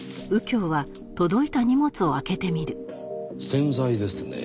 洗剤ですね。